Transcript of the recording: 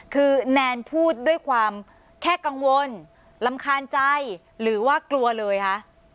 คือแนนพูดด้วยความแค่กังวลรำคาญใจหรือว่ากลัวเลยคะ